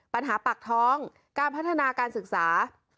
ปัญหาปากท้องการพัฒนาการศึกษา